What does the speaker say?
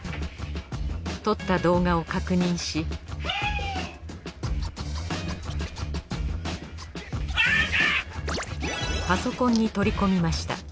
撮った動画を確認しパソコンに取り込みました